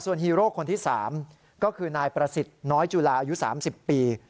ฮีโร่คนที่๓ก็คือนายประสิทธิ์น้อยจุลาอายุ๓๐ปี